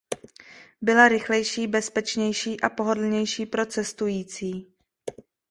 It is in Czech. Byla rychlejší, bezpečnější a pohodlnější pro cestující.